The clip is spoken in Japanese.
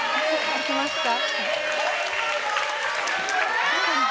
行きますか？